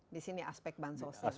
di sini aspek bancosnya terasa